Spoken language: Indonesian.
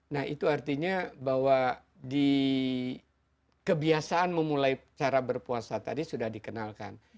nah itu artinya bahwa di kebiasaan memulai cara berpuasa tadi sudah dikenalkan